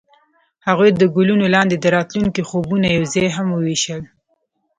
هغوی د ګلونه لاندې د راتلونکي خوبونه یوځای هم وویشل.